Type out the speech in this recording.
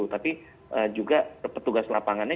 tapi juga petugas lapangannya